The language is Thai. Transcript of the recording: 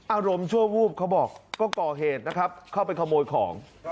อารมณ์ชั่ววูบเขาบอกก็ก่อเหตุนะครับเข้าไปขโมยของ